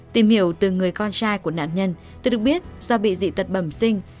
tìm hiểu từ người con trai của nạn nhân tôi được biết do bị dị tật bẩm sinh